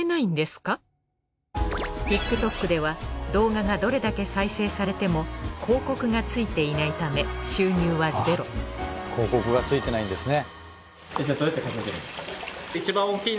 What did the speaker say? ＴｉｋＴｏｋでは動画がどれだけ再生されても広告がついていないため収入はゼロ広告がついてないんですね。